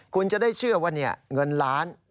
คุณจะได้เชื่อว่าเงินล้าน